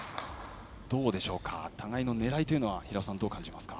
どうでしょうか、互いの狙いは平尾さん、どう感じますか？